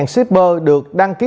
tám mươi hai shipper được đăng ký